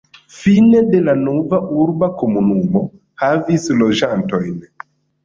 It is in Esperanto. Fine de la nova urba komunumo havis loĝantojn.